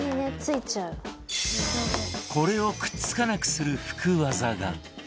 これをくっつかなくする福ワザが